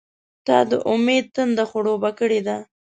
• ته د امید تنده خړوبه کړې ده.